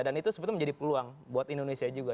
dan itu sebetulnya menjadi peluang buat indonesia juga